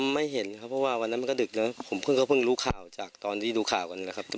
ไม่เห็นครับเพราะว่าวันนั้นมันก็ดึกแล้วผมเพิ่งก็เพิ่งรู้ข่าวจากตอนที่ดูข่าวกันนะครับ